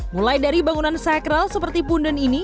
mulai dari bangunan sakral seperti punden ini